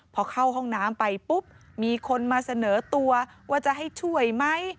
พอเข้าห้องน้ำไปปุ๊บมีคนมาเสนอตัวว่าจะให้ช่วยไหม